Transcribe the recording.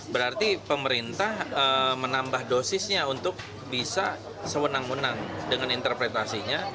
berarti pemerintah menambah dosisnya untuk bisa sewenang wenang dengan interpretasinya